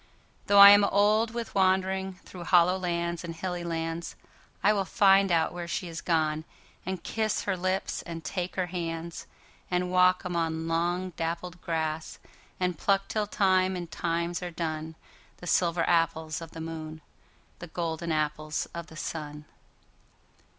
Though I am old with wanderingThrough hollow lands and hilly lands,I will find out where she has gone, And kiss her lips and take her hands; And walk among long dappled grass, And pluck till time and times are done, The silver apples of the moon, The golden apples of the sun.